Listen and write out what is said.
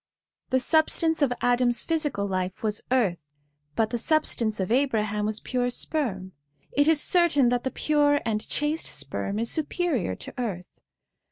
The substance of Adam's physical life was earth, but the substance of Abraham was pure sperm ; it is certain that the pure and chaste sperm is superior to earth.